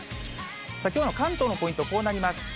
さあ、きょうの関東のポイント、こうなります。